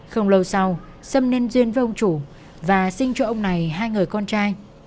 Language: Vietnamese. không lâu sau xâm nên duyên với ông chủ và xin cho ông này hai người con trai